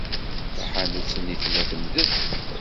Taḥanut-nni tella temdel.